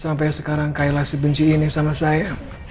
sampai sekarang kayalah sebenci ini sama saya